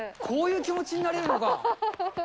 こういう気持ちになれるのか。